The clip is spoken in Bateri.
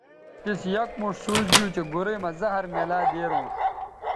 تِس یک موݜ سوچ گیو چہء گورئ مہ زہر میلہ دیرونݜ